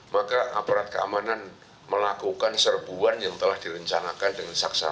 maka aparat keamanan melakukan serbuan yang telah direncanakan dengan saksasa